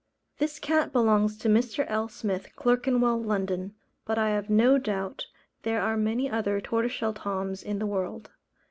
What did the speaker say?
This cat belongs to Mr. L. Smith, Clerkenwell, London; but I have no doubt there are many other Tortoiseshell Toms in the world.